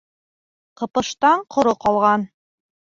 Ҡыпыштаң ҡоро ҡалған.